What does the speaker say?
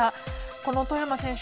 この外山選手